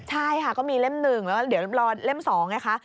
ใช่ค่ะก็มีเล่ม๑แล้วเดี๋ยวรอเล่ม๒ไงคะ